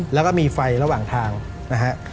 แล้วก็มีไฟระหว่างทางนะฮะ